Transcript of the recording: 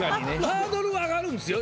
ハードルは上がるんですよ